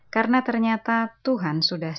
karena ternyata tuhan sudah